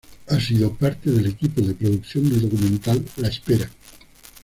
Ha sido parte del equipo de producción del documental, "La Espera.